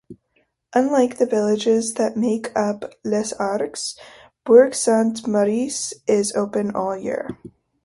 Unlike the villages that make up Les Arcs, Bourg-Saint-Maurice is open all year.